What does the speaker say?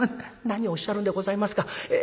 「何をおっしゃるんでございますか。